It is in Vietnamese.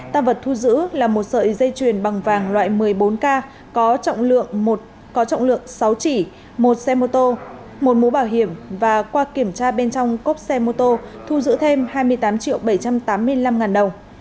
tạm vật thu giữ là một sợi dây chuyền bằng vàng loại một mươi bốn k có trọng lượng sáu chỉ một xe mô tô một mũ bảo hiểm và qua kiểm tra bên trong cốc xe mô tô thu giữ thêm hai mươi tám triệu bảy trăm tám mươi năm ngàn đồng